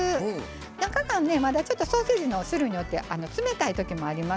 中がねまだちょっとソーセージの種類によって冷たい時もあります。